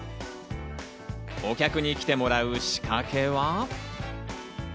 お客に来てもらう仕掛けは？